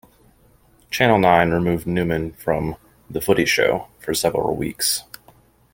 Channel Nine removed Newman from "The Footy Show" for several weeks.